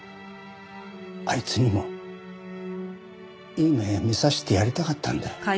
あいつにもいい目を見させてやりたかったんだよ。